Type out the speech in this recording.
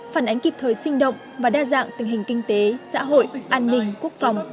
phản ánh kịp thời sinh động và đa dạng tình hình kinh tế xã hội an ninh quốc phòng